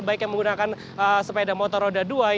baik yang menggunakan sepeda motor roda dua